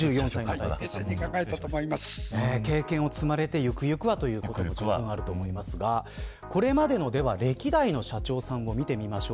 経験を積まれて、ゆくゆくはということがあると思いますがこれまでの歴代の社長さんを見てみましょう。